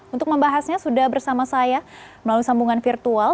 untuk membahasnya sudah bersama saya melalui sambungan virtual